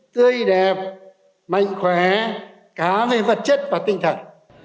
tươi đẹp mạnh khỏe cá với vật chất và tinh thần